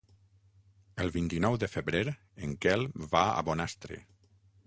El vint-i-nou de febrer en Quel va a Bonastre.